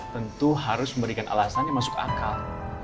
tentu harus memberikan alasan yang masuk akal